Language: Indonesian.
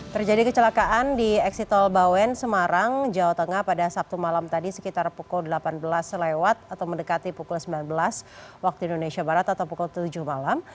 terjadi kecelakaan di eksitol bawen semarang jawa tengah pada sabtu malam tadi sekitar pukul delapan belas lewat atau mendekati pukul sembilan belas waktu indonesia barat atau pukul tujuh malam